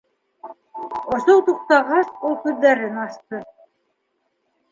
- Осоу туҡтағас, ул күҙҙәрен асты.